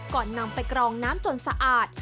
ก่อนนำไปกรองน้ำจนสะอาด